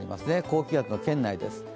高気圧の圏内です。